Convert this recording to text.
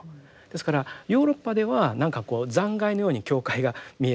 ですからヨーロッパでは何かこう残骸のように教会が見えるぐらいにですね